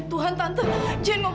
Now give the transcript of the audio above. setelah ambil pipping physique